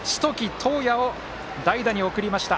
東弥を代打に送りました。